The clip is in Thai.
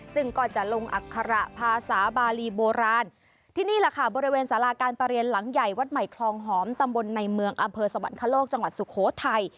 ซึ่งก็จะลงอัคระภาษาบาลีโบราณที่นี่แหละค่ะบริเวณสาราการประเรียนหลังใหญ่วัดใหม่คลองหอมตำบลในเมืองอำเภอสวรรคโลกจังหวัดสุโขทัย